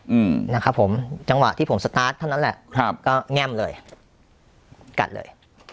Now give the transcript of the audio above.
อืมนะครับผมจังหวะที่ผมสตาร์ทเท่านั้นแหละครับก็แง่มเลยกัดเลย